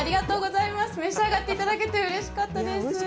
召し上がっていただけてうれしかったです。